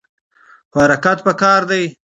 خو حرکت پکار دی.